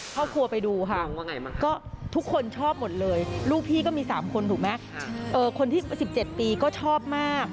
ครอบครัวไปดูค่ะก็ทุกคนชอบหมดเลยลูกพี่ก็มี๓คนถูกไหมคนที่๑๗ปีก็ชอบมาก